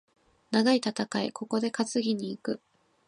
長い戦い、ここで担ぎに行く。